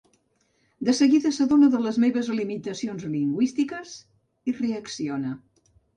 De seguida s'adona de les meves limitacions lingüístiques i reacciona.